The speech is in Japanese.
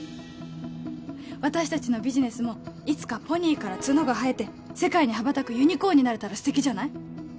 私達のビジネスもいつかポニーから角が生えて世界に羽ばたくユニコーンになれたら素敵じゃない？